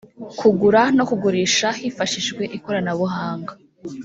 Kugura no kugurisha hifashishijwe ikoranabuhanga